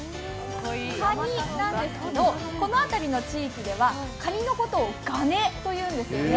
カニなんですけど、この辺りの地域ではカニのことをガネと言うんですよね。